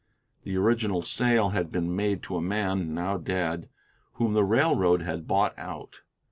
The original sale had been made to a man, now dead, whom the railroad had bought out.